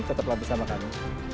tetaplah bersama kami